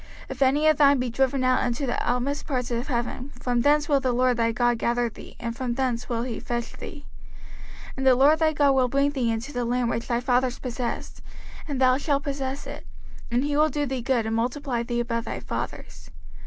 05:030:004 If any of thine be driven out unto the outmost parts of heaven, from thence will the LORD thy God gather thee, and from thence will he fetch thee: 05:030:005 And the LORD thy God will bring thee into the land which thy fathers possessed, and thou shalt possess it; and he will do thee good, and multiply thee above thy fathers.